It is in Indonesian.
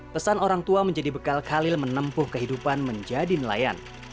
pesan orang tua menjadi bekal khalil menempuh kehidupan menjadi nelayan